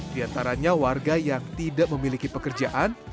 di antaranya warga yang tidak memiliki pekerjaan